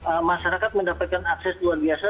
ee masyarakat mendapatkan akses luar biasa